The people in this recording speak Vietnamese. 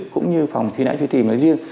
cũng như phòng truy nã truy tìm là riêng